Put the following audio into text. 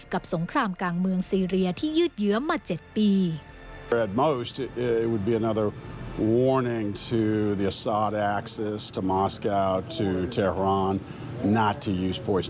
สงครามกลางเมืองซีเรียที่ยืดเยื้อมา๗ปี